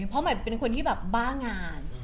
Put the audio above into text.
เพราะหมายเป็นคนที่แบบบ้างาน